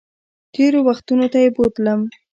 تېرو وختونو ته یې بوتلم